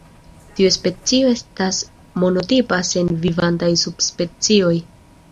Tiu specio estas monotipa sen vivantaj subspecioj.